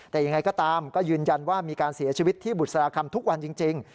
แต่ยังไงก็ตามก็ยืนยันว่ามีการเสียชีวิตที่บุษราคำทุกวันจริง